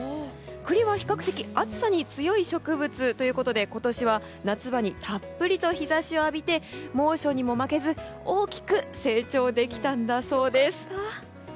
栗は比較的暑さに強い植物ということで今年は夏場にたっぷりと日差しを浴びて猛暑にも負けず大きく成長できたんだそうです。